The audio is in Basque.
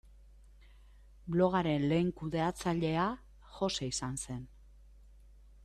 Blogaren lehen kudeatzailea Jose izan zen.